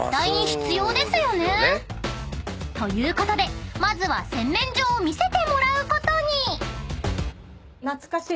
ということでまずは洗面所を見せてもらうことに］